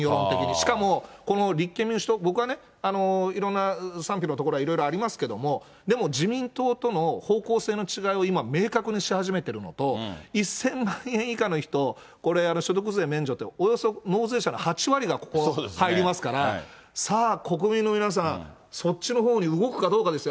しかも、この立憲民主党、僕はね、いろんな賛否のところはいろいろありますけども、でも、自民党との方向性の違いを今、明確にし始めてるのと、１０００万円以下の人、これ、所得税免除って、およそ納税者の８割がここ、入りますから、さあ、国民の皆さん、そっちのほうに動くかどうかですよ。